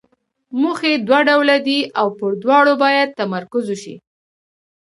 موخې دوه ډوله دي او پر دواړو باید تمرکز وشي.